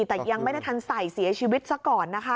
แต่ยังไม่ได้ทันใส่เสียชีวิตซะก่อนนะคะ